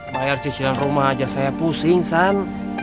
bayar sisil rumah aja saya pusing san